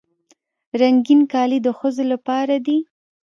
رنګین کالي د ښځو لپاره دي.